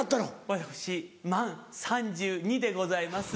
私満３２でございます。